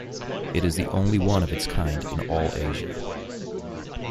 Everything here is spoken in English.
It is the only one of its kind in all Asia.